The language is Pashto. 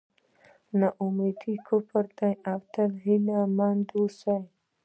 نا اميدي کفر دی تل هیله مند اوسئ.